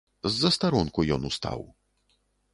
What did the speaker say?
З застаронку ён устаў.